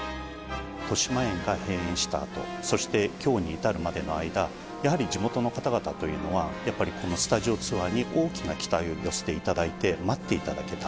としまえんが閉園したあと、そしてきょうに至るまでの間、やはり地元の方々というのは、やっぱりこのスタジオツアーに大きな期待を寄せていただいて、待っていただけた。